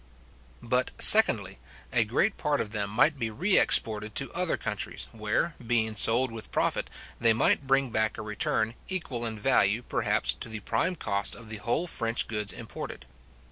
But, Secondly, A great part of them might be re exported to other countries, where, being sold with profit, they might bring back a return, equal in value, perhaps, to the prime cost of the whole French goods imported.